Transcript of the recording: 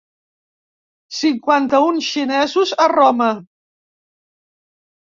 Cinquanta un xinesos a Roma.